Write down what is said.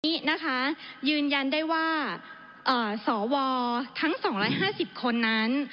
นี้นะคะยืนยันได้ว่าอ่าสวทั้งสองละห้าสิบคนนั้น